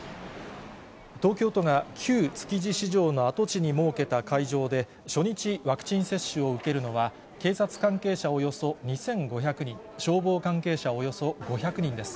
東京都が、旧築地市場の跡地に設けた会場で、初日、ワクチン接種を受けるのは、警察関係者およそ２５００人、消防関係者およそ５００人です。